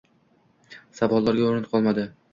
Savollarga o‘rin qolmadi